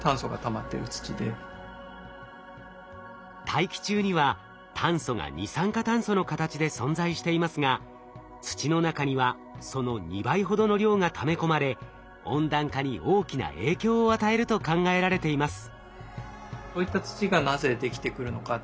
大気中には炭素が二酸化炭素の形で存在していますが土の中にはその２倍ほどの量がため込まれ温暖化に大きな影響を与えると考えられています。